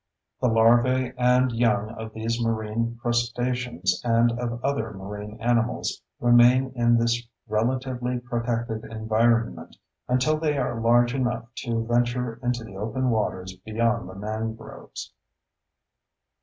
The larvae and young of these marine crustaceans and of other marine animals remain in this relatively protected environment until they are large enough to venture into the open waters beyond the mangroves.